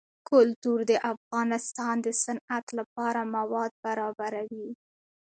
کلتور د افغانستان د صنعت لپاره مواد برابروي.